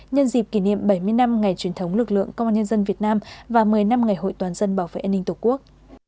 nhân dịp kỷ niệm bảy mươi năm ngày truyền thống lực lượng công an nhân dân việt nam và một mươi năm ngày hội toàn dân bảo vệ an ninh tổ quốc